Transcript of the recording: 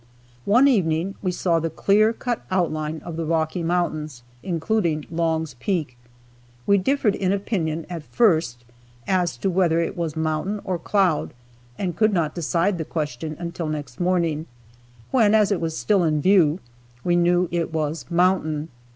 One evening we saw the clear cut outline of the Rocky Mountains, including Long's Peak. We differed in opinion, at first, as to whether it was mountain or cloud and could not decide the question till next morning, when, as it was still in view, we knew it was mountain.